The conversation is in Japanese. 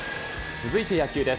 続いて野球です。